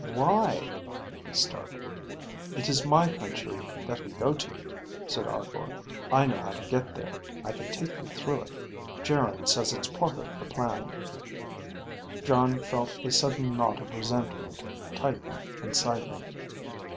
"Why...?" he started. "It is my country that we go to," said Arkor. "I know how to get there. I can take you through it. Geryn says it is part of the plan." Jon felt a sudden knot of resentment tighten inside him.